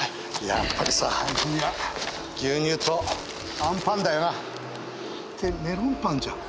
やっぱりさ張り込みは牛乳とあんぱんだよなってメロンパンじゃん。